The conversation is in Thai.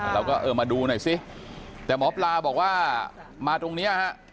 เออมาดูหน่อยสิแต่หมอปลาบอกว่ามาตรงนี้ฮะ